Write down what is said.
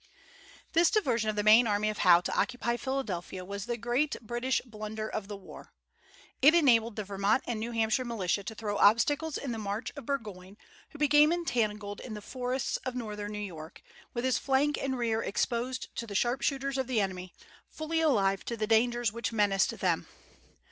This diversion of the main army of Howe to occupy Philadelphia was the great British blunder of the war. It enabled the Vermont and New Hampshire militia to throw obstacles in the march of Burgoyne, who became entangled in the forests of northern New York, with his flank and rear exposed to the sharpshooters of the enemy, fully alive to the dangers which menaced them.